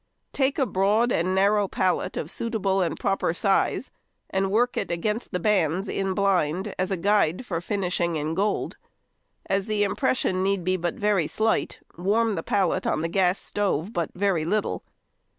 Take a broad and narrow pallet of a suitable and proper size, and work it against the bands in blind as a guide for finishing in gold. As the impression need be but very slight, warm the pallet on the gas stove but very little.